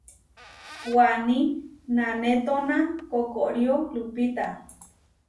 Waní nanétona koʼkorió lupita.